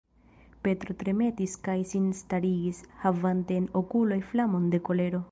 Petro tremetis kaj sin starigis, havante en okuloj flamon de kolero.